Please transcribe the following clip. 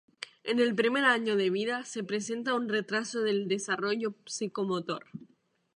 En el primer año de vida se presenta un retraso del desarrollo psicomotor.